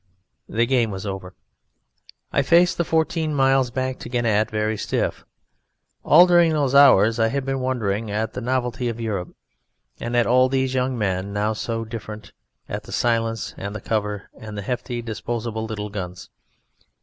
The game was over. I faced the fourteen miles back to Gannat very stiff. All during those hours I had been wondering at the novelty of Europe, and at all these young men now so different, at the silence and the cover, and the hefty, disposable little guns.